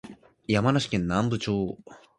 山梨県南部町